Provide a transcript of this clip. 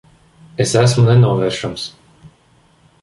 Es esmu nenovēršams.